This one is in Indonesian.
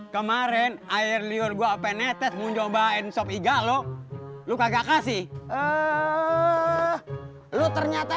kemarin air liur gua penetes mencoba and sop iga lo lu kagak kasih eh lu ternyata